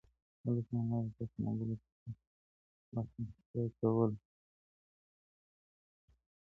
هلک د انا له سختو منگولو څخه د خلاصون هڅه کوله.